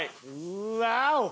ワオ！